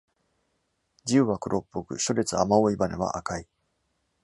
耳羽は黒っぽく、初列雨覆羽は赤い。